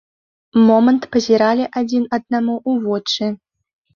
Момант пазіралі адзін аднаму ў вочы.